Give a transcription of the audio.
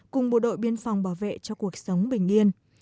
cùng bộ đội biên phòng bảo vệ cho cuộc sống bình yên